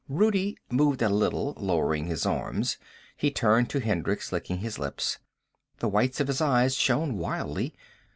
Rudi moved a little, lowering his arms. He turned to Hendricks, licking his lips. The whites of his eyes shone wildly.